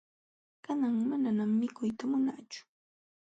Kanan manañam mikuyta munaachu.